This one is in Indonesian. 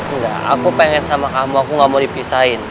enggak aku pengen sama kamu aku gak mau dipisahin